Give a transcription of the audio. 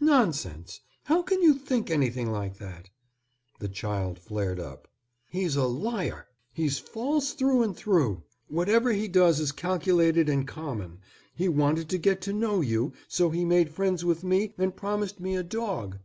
"Nonsense. How can you think anything like that?" The child flared up. "He's a liar. He's false through and through. Whatever he does is calculated and common. He wanted to get to know you, so he made friends with me and promised me a dog.